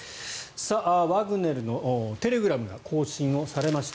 ワグネルのテレグラムが更新されました。